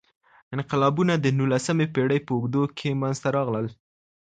انقلابونه د نولسمې پیړۍ په اوږدو کي منځته راغلل.